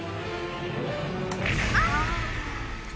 あっ！